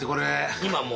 今もう。